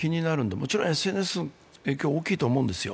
もちろんＳＮＳの影響は大きいとは思うんですよ。